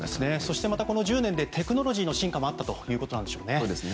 そして、またこの１０年でテクノロジーの進化もあったんでしょうね。